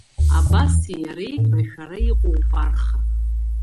Абаси иареи рашәара иҟоуп арха.